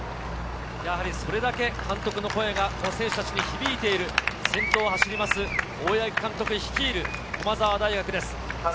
それだけ監督の声が選手たちに響いている先頭を走る大八木監督率いる駒澤大学です。